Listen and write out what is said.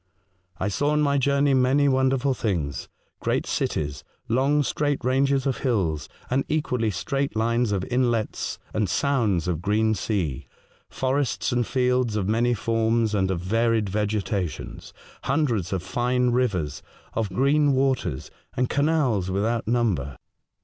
I saw, on my journey, many wonderful things — great cities ; long, straight ranges of hills, and equally straight lines of inlets and sounds of green sea ; forests and fields of many forms and of varied vegetations ; hundreds of fine rivers, of green waters, and canals without number.